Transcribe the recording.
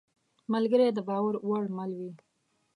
ملګری د باور وړ مل وي.